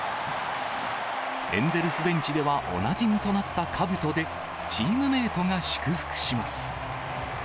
エンゼルスベンチでは、おなじみとなったかぶとで、チームメートが祝福します。